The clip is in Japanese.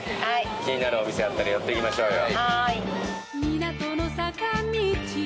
気になるお店あったら寄っていきましょうよ。